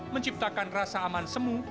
menciptakan rasa aman semu